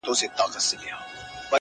• نقادان پرې اوږد بحث کوي ډېر..